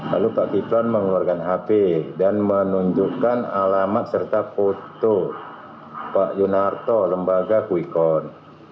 lalu pak kiflan mengeluarkan hp dan menunjukkan alamat serta foto pak yunarto lembaga kuikon